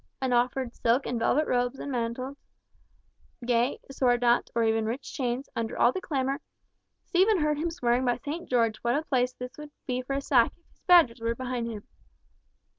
and offered silk and velvet robes and mantles, gay sword knots, or even rich chains, under all the clamour, Stephen heard him swearing by St. George what a place this would be for a sack, if his Badgers were behind him.